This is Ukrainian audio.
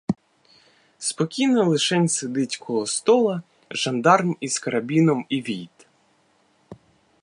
Спокійно лишень сидить коло стола жандарм із карабіном і війт.